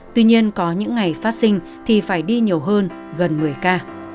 tuy nhiên có những ngày phát sinh thì phải đi nhiều hơn gần một mươi ca